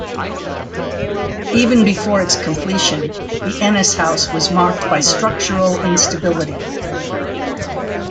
Even before its completion the Ennis House was marked by structural instability.